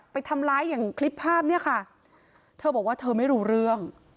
ไปทำร้ายอย่างคลิปภาพเนี่ยค่ะเธอบอกว่าเธอไม่รู้เรื่อง